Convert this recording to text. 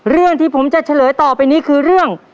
เรื่องที่ผมจะเฉลยต่อไปนี้คือเรื่อง